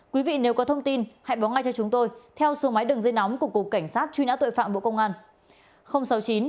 quý vị nếu có thông tin hãy báo ngay cho chúng tôi theo số máy đường dây nóng của cục cảnh sát truy nã tội phạm bộ công an